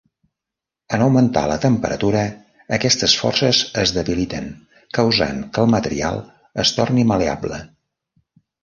En augmentar la temperatura, aquestes forces es debiliten, causant que el material es torni mal·leable.